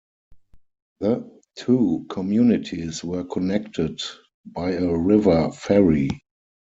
The two communities were connected by a river ferry.